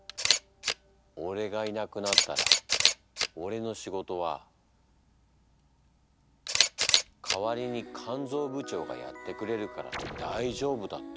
俺がいなくなったら俺の仕事は「代わりに肝ぞう部長がやってくれるから大丈夫だ」って。